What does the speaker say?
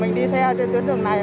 mình đi xe trên tuyến đường này